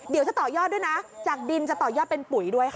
เดี๋ยวจะต่อยอดด้วยนะจากดินจะต่อยอดเป็นปุ๋ยด้วยค่ะ